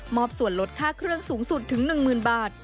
อบส่วนลดค่าเครื่องสูงสุดถึง๑๐๐๐บาท